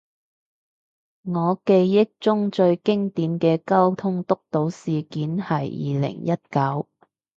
我記憶中最經典嘅交通督導事件係二零一九